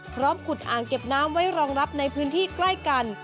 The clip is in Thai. พร้อมขุดอ่างเก็บน้ำไว้รองรับในพื้นที่ใกล้กัน